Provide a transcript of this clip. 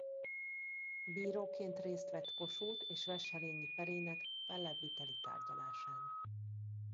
Bíróként részt vett Kossuth és Wesselényi perének fellebbviteli tárgyalásán.